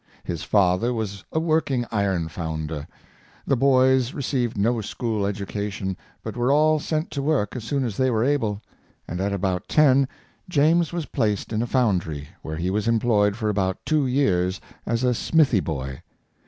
His father was a working iron founder. The boys received no school education, but were all sent to work as soon as they were able; and at about ten James was placed in a foundry, where he was employed for about two years as smithy boy.